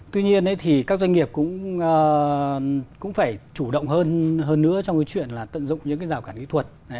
tuy nhiên thì các doanh nghiệp cũng phải chủ động hơn nữa trong cái chuyện là tận dụng những cái rào cản kỹ thuật